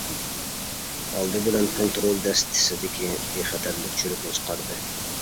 ئالدى بىلەن كونترول دەستىسىدىكى بىخەتەرلىك چۈلۈكىنى چىقاردى.